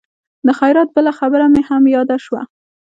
د خیرات بله خبره مې هم یاده شوه.